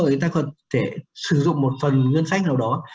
người ta còn thể sử dụng một phần ngân sách nào đó